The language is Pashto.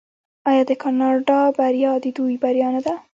آیا د کاناډا بریا د دوی بریا نه ده؟